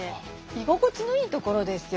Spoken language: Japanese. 居心地のいい所ですよ